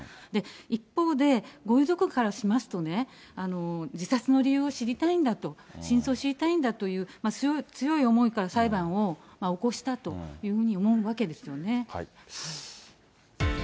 一方で、ご遺族からしますとね、自殺の理由を知りたいんだと、真相を知りたいんだという強い思いから裁判を起こしたというふうに思うわけですよね。